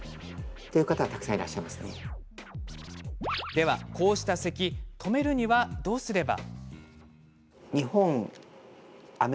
では、こうしたせき止めるには、どうすれば。